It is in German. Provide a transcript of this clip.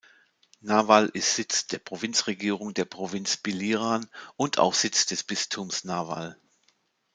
Naval ist Sitz der Provinzregierung der Provinz Biliran und auch Sitz des Bistums Naval.